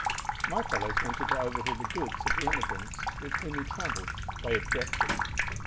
My fellows wanted to overhaul the goods of the emigrants with whom he travelled. They objected.